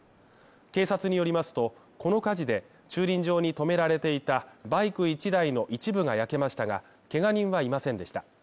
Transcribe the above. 警察によりますと、この火事で、駐輪場に止められていたバイク１台の一部が焼けましたがけが人はいませんでした。